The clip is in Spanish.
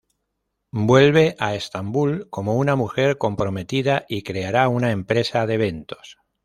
Vuelve a Estambul como una mujer comprometida y creará una empresa de eventos.